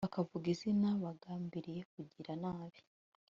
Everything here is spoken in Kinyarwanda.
bakavuga izina bagambiriye kugira nabi